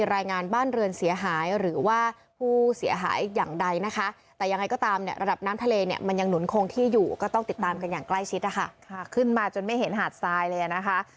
กันอย่างใกล้ชิดนะคะค่ะขึ้นมาจนไม่เห็นหาดซ้ายเลยอะนะคะ